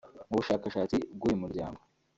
Mu bushakashatsi bw’uyu muryango